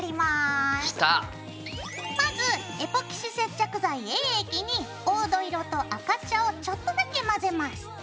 まずエポキシ接着剤Ａ液に黄土色と赤茶をちょっとだけ混ぜます。